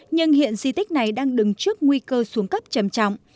nhưng hiện di tích này đang đứng trước nguy cơ xuống cấp chầm chọng